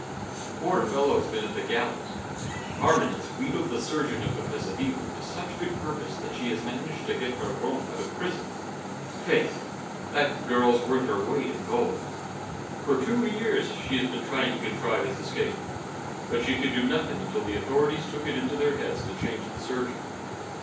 The poor fellow has been at the galleys. Carmen has wheedled the surgeon of the presidio to such good purpose that she has managed to get her rom out of prison. Faith! that girl's worth her weight in gold. For two years she has been trying to contrive his escape, but she could do nothing until the authorities took it into their heads to change the surgeon.